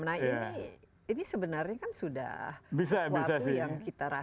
nah ini sebenarnya kan sudah sesuatu yang kita rasakan